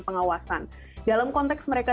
pengawasan dalam konteks mereka